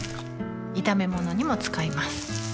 炒め物にも使います